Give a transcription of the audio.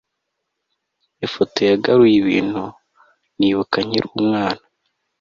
ifoto yagaruye ibintu nibuka nkiri umwana